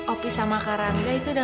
opi sama kak rangga itu udah